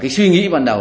suy nghĩ ban đầu